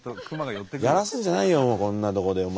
やらすんじゃないよこんなとこでお前。